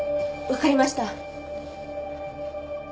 わかりました。